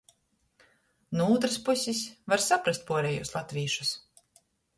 Nu ūtrys pusis – var saprast puorejūs latvīšus.